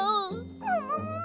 もももも！